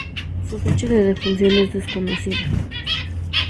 Su fecha de defunción es desconocida.